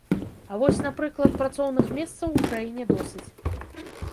А вось, напрыклад, працоўных месцаў у краіне досыць.